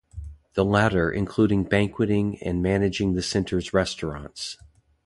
The latter including banqueting, and managing the Centre's restaurants.